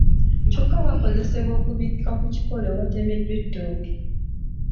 Kyokka kakozesebwa okubikka ku kikolo awatemeddwa ettooke.